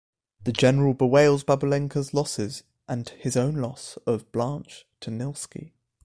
The General bewails Babulenka's losses and his own loss of Blanche to Nilsky.